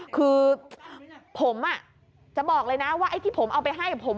คือผมจะบอกเลยนะว่าไอ้ที่ผมเอาไปให้ผม